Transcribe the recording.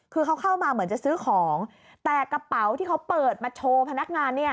คือเขาเข้ามาเหมือนจะซื้อของแต่กระเป๋าที่เขาเปิดมาโชว์พนักงานเนี่ย